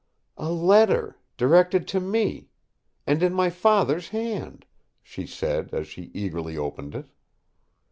"A letter—directed to me—and in my Father's hand!" she said as she eagerly opened it.